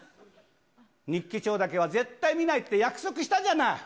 日記帳だけは絶対見ないって約束したじゃない。